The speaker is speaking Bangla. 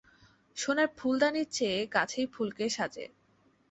সোনার ফুলদানির চেয়ে গাছেই ফুলকে সাজে।